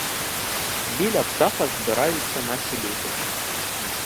Біля птаха збираються наші люди.